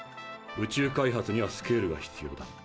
宇宙開発にはスケールが必要だ。